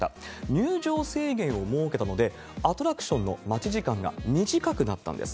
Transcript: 入場制限を設けたので、アトラクションの待ち時間が短くなったんです。